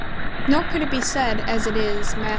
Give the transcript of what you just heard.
Nor could it bee said (as it is Mat.